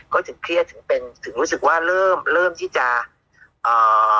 ก็ถึงเครียดถึงเป็นถึงรู้สึกว่าเริ่มเริ่มที่จะอ่า